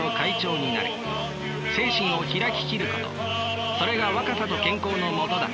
精神をひらききることそれが若さと健康のもとだ。